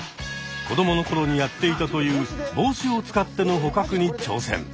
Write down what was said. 子供のころにやっていたというぼうしを使っての捕獲に挑戦。